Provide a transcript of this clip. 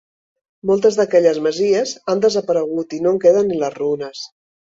Moltes d'aquelles masies han desaparegut i no en queden ni les runes.